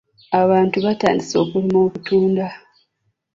Abantu batandise okulima obutunda.